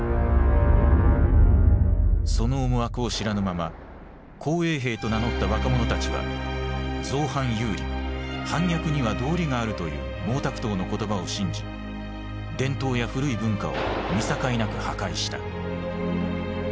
その思惑を知らぬまま紅衛兵と名乗った若者たちは「造反有理」反逆には道理があるという毛沢東の言葉を信じ伝統や古い文化を見境なく破壊した。